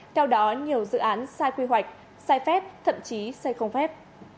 theo đó nhiều dự án sai quy hoạch sai phép thậm chí sai không phép